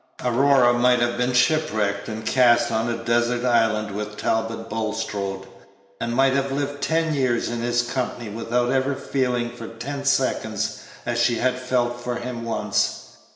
Aurora might have been shipwrecked and cast on a desert island with Talbot Bulstrode, and might have lived ten years in his company without ever feeling for ten seconds as she had felt for him once.